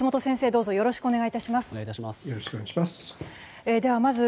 どうぞよろしくお願い致します。